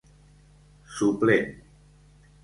Suplent: